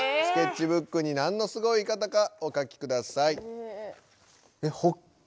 スケッチブックに何のすごい方かお書きください。